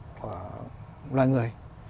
của loài người